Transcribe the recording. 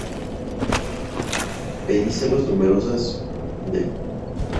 Pedicelos numerosas, de.